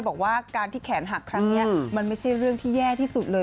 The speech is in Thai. บอกว่าการที่แขนหักครั้งนี้มันไม่ใช่เรื่องที่แย่ที่สุดเลย